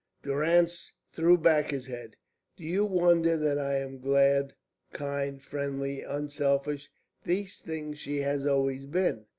Durrance threw back his head. "Do you wonder that I am glad? Kind, friendly, unselfish these things she has always been.